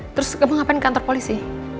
terus kamu ngapain kantor polisi